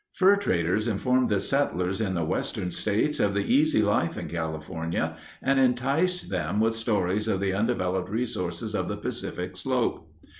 Fur traders informed the settlers in the western states of the easy life in California and enticed them with stories of the undeveloped resources of the Pacific slope.